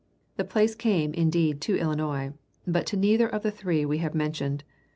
The place came, indeed, to Illinois, but to neither of the three we have mentioned.